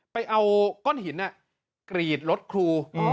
ไปเอาก้อนหินกรีดรถครู